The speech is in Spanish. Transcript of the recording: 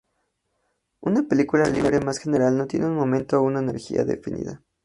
Una partícula libre más general no tiene un momento o una energía definida.